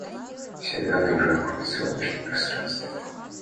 Все данные уже находятся в облачном пространстве